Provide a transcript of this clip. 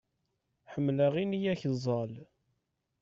Ḥemmelaɣ ini akeẓẓal.